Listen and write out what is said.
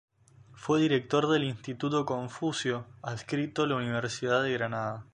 Fue director del Instituto Confucio adscrito a la Universidad de Granada.